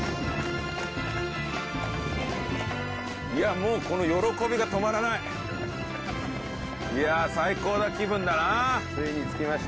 いやもうこの喜びが止まらないいや最高な気分だなついに着きました